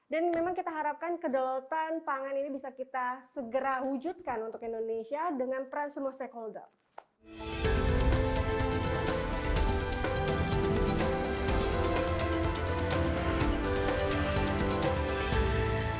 dan memang kita harapkan kedalatan pangan ini bisa kita segera wujudkan untuk indonesia dengan peran semua stakeholder